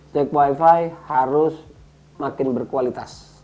jack wifi harus makin berkualitas